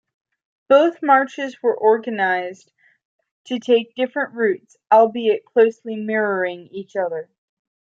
Both marches were organised to take different routes, albeit closely mirroring each other.